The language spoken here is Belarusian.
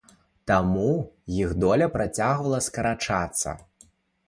Таму іх доля працягвала скарачацца.